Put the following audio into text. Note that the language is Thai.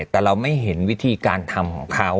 แต่เราไม่เห็นวิธีการทำของเขา